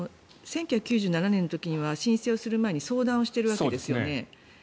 １９９７年の時には申請をする前に相談をしているわけですよね。